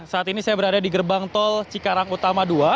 saat ini saya berada di gerbang tol cikarang utama dua